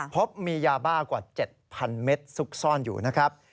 พบมียาบ้ากว่า๗๐๐เมตรซุกซ่อนอยู่นะครับ